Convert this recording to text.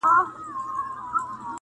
چړي حاکم سي پر بندیوان سي -